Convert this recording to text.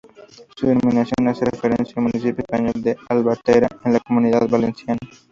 Su denominación hace referencia al municipio español de Albatera, en la Comunidad Valenciana.